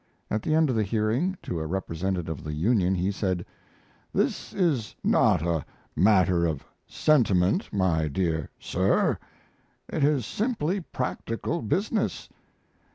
At the end of the hearing, to a representative of the union he said: "This is not a matter of sentiment, my dear sir. It is simply practical business.